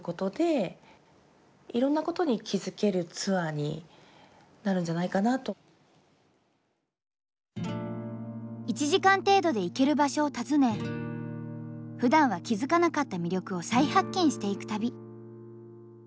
企画したのは酒蔵の１時間程度で行ける場所を訪ねふだんは気付かなかった魅力を再発見していく旅。